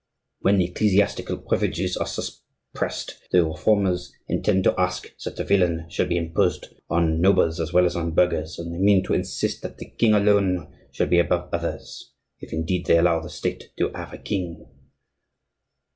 When the ecclesiastical privileges are suppressed the Reformers intend to ask that the vilain shall be imposed on nobles as well as on burghers, and they mean to insist that the king alone shall be above others—if indeed, they allow the State to have a king."